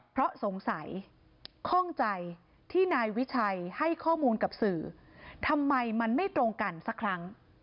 เพราะสงสัยข้องใจที่นายวิชัยให้ข้อมูลกับสื่อทำไมมันไม่ตรงกันสักครั้ง